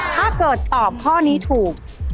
ถ้าเกิดตอบข้อนี้ถูก